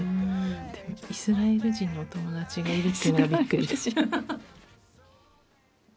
でもイスラエル人のお友達がいるってのがびっくりです。